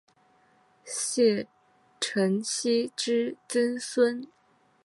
谢承锡之曾孙。